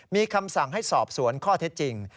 มีคำสั่งให้สอบสวนข้อเท็จจริง